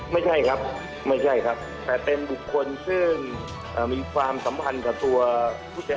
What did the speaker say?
ไม่ใช่ครับแต่เป็นบุคคลซึ่งมีความสัมพันธ์กับตัวผู้เศรษฐ์